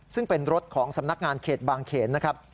ซึ่งเป็นรถของสำนักงานเขตบางเขนนะครับ